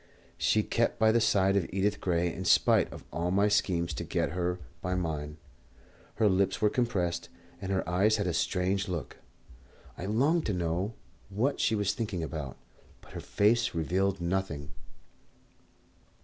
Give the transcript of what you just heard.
She kept by the side of Edith Gray in spite of all my schemes to get her by mine. Her lips were compressed, and her eyes had a strange look. I longed to know what she was thinking about, but her face revealed nothing.